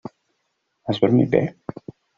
Has dormit bé?